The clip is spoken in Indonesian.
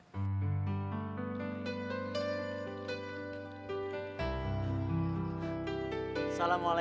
tiga janda disimpan di rumahnya